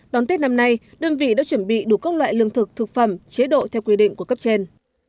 đón tết năm nay đơn vị đã chuẩn bị đủ các loại lương thực thực phẩm chế độ theo quy định của cấp trên